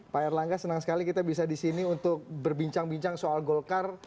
pak erlangga senang sekali kita bisa di sini untuk berbincang bincang soal golkar